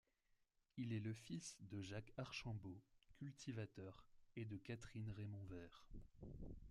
Il est le fils de Jacques Archambault, cultivateur, et de Catherine Raimondvert.